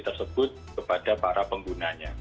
tersebut kepada para penggunanya